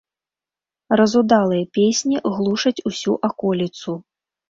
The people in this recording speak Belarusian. Разудалыя песні глушаць усю аколіцу.